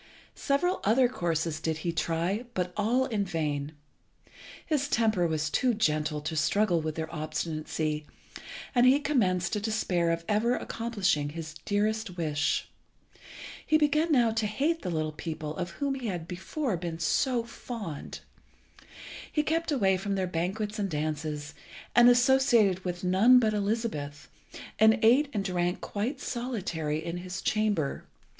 Several other courses did he try, but all in vain. His temper was too gentle to struggle with their obstinacy, and he commenced to despair of ever accomplishing his dearest wish. He began now to hate the little people of whom he had before been so fond. He kept away from their banquets and dances, and associated with none but Elizabeth, and ate and drank quite solitary in his chamber.